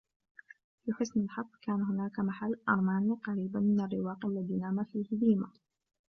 لحسن الحظ ، كان هناك محل " أرماني " قريبًا من الرواق الذي نام فيه ديما.